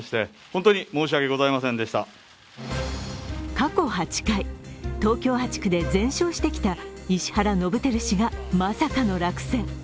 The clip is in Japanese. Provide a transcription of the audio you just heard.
過去８回、東京８区で全勝してきた石原伸晃氏がまさかの落選。